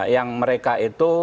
yang mereka itu